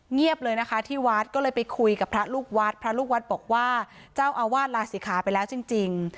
เงียบเลยนะคะที่วัดก็เลยไปคุยกับพระลูกวัดพระลูกวัดบอกว่าเจ้าอาวาสลาศิขาไปแล้วจริง